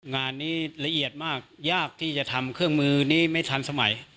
งานนี้ละเอียดมากยากที่จะทำเครื่องมือนี้ไม่ทันสมัย